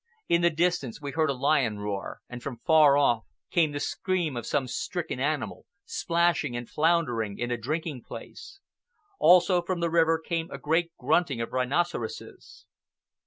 In the distance we heard a lion roar, and from far off came the scream of some stricken animal, splashing and floundering in a drinking place. Also, from the river, came a great grunting of rhinoceroses.